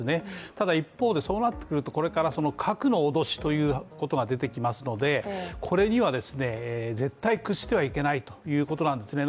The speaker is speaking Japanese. ただ一方で、そうなってくると核の脅しというようなことが出てきますのでこれには絶対屈してはいけないということなんですね。